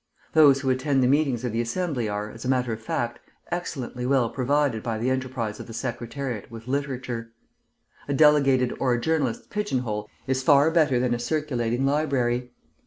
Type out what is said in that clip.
Those who attend the meetings of the Assembly are, as a matter of fact, excellently well provided by the enterprise of the Secretariat with literature. A delegated or a journalist's pigeon hole is far better than a circulating library.